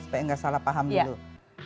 supaya nggak salah paham dulu